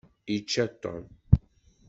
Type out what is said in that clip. Yečča Tom.